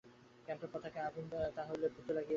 ক্যাম্পের পতাকায় আগুন তাহলে ভুতে লাগিয়েছে?